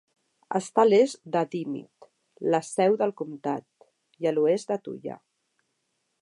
Està a l'est de Dimmitt, la seu del comtat, i a l'oest de Tulla.